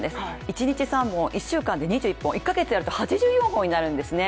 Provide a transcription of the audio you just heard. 一日３本、１週間で２１本、１か月やると８４本になるんですね。